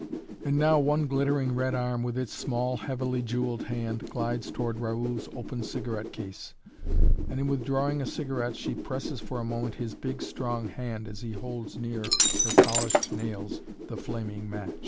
And now one glittering, red arm with its small, heavily jeweled hand glides toward Raoul's open cigarette case, and in withdrawing a cigarette she presses for a moment his big, strong hand as he holds near her polished nails the flaming match.